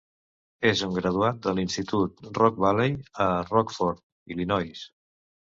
És un graduat de l'Institut Rock Valley a Rockford, Illinois.